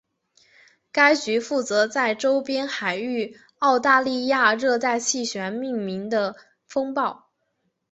该局负责在周边海域澳大利亚热带气旋命名的风暴。